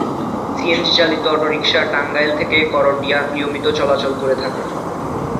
CNG চালিত auto rickshaw Tangail থেকে করটিয়া নিয়মিত চলাচল করে থাকে।